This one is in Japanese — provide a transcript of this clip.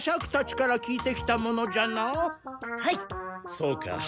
そうか。